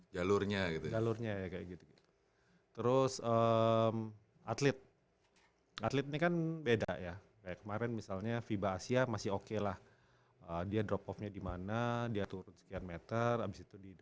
jalurnya gitu terus atlet atlet ini kan beda kayak kemarin misalnya fiba asia oke lah dia drop offnya dimana dia turun sekian meter abis itu di nasze